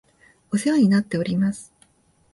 お世話になっております